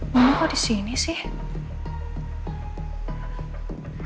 mau kok di sini sih